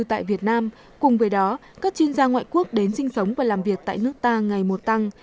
tại việt nam cùng với đó các chuyên gia ngoại quốc đến sinh sống và làm việc tại nước ta ngày một tăng